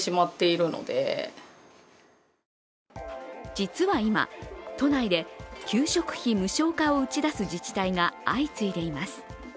実は今、都内で給食費無償化を打ち出す自治体が相次いでいます。